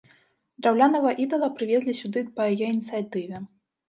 Драўлянага ідала прывезлі сюды па яе ініцыятыве.